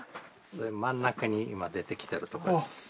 真ん中に今出てきてるとこですああ